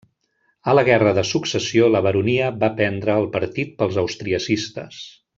A la guerra de Successió, la baronia van prendre el partit pels austriacistes.